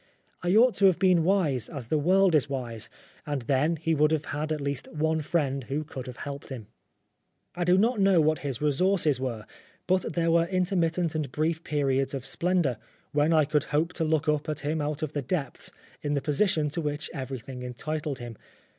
I ought to have been wise as the world is wise, and then he would have had at least one friend who could have helped him. 255 Oscar Wilde I do not know what his resources were, but there were intermittent and brief periods of splendour, when I could hope to look up at him out of the depths, in the position to which everything entitled him.